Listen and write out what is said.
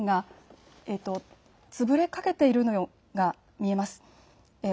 今、住宅の１階の部分が潰れかけているのが見えます。